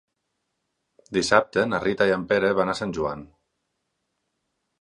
Dissabte na Rita i en Pere van a Sant Joan.